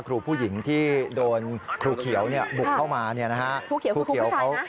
ครูผู้หญิงที่โดนครูเขียวบุกเข้ามานี่นะครับ